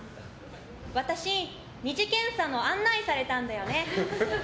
私、２次検査の案内されたんだよね。